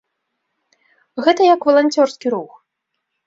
Гэта як валанцёрскі рух.